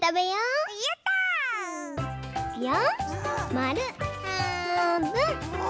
まるはんぶん！